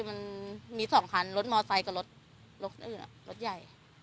มันมี๒คันรถมอไซค์กับรถรถอื่นรถใหญ่